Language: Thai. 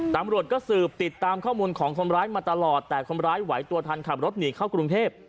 ตำรวจก็สืบติดตามข้อมูลของคนร้ายมาตลอดแต่คนร้ายไหวตัวทันขับรถหนีเข้ากรุงเทพ